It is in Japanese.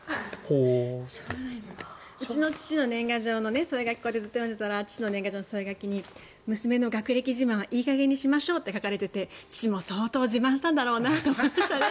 うちの父の年賀状をずっと読んでいたら父の年賀状の添え書きに娘の学歴自慢はいい加減にしましょうって書かれていて父も相当自慢したんだろうなと思いましたね。